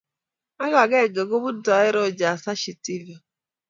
ak akenge kobuntoe Rodgers Ashitiva.